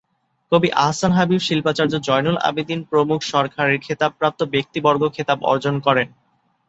কবি আহসান হাবীব, শিল্পাচার্য জয়নুল আবেদীন প্রমুখ সরকারের খেতাবপ্রাপ্ত ব্যক্তিবর্গ খেতাব বর্জন করেন।